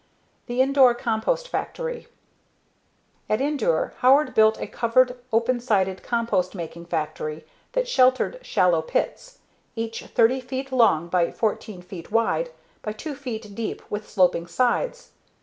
The Indore Compost Factory At Indore, Howard built a covered, open sided, compost making factory that sheltered shallow pits, each 30 feet long by 14 feet wide by 2 feet deep with sloping sides.